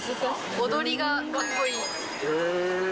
踊りがかっこいい。